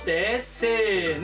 せの。